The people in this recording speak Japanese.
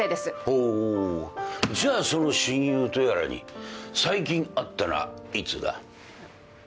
ほうじゃあその親友とやらに最近会ったのはいつだ？